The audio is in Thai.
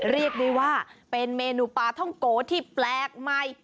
เรียกได้ว่าเป็นเมนูปลาท่องโกที่แปลกใหม่